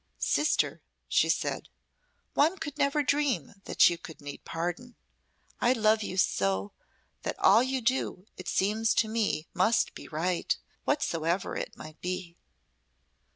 "Sister," she said, "one could never dream that you could need pardon. I love you so that all you do, it seems to me must be right whatsoever it might be."